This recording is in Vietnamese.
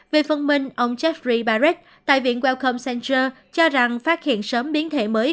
về phân minh ông jeffrey barrett tại viện welcome center cho rằng phát hiện sớm biến thể mới